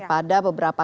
pada beberapa pers